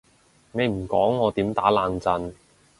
你唔講我點打冷震？